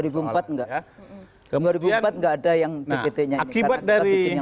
dua ribu empat tidak ada yang dpt nya